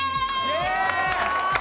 イエーイ！